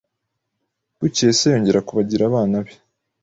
Bukeye se yongera kubagira abana be